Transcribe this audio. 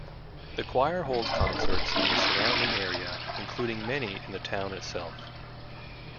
The choir holds concerts in the surrounding area, including many in the town itself.